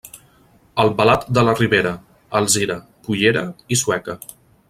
Albalat de la Ribera, Alzira, Cullera i Sueca.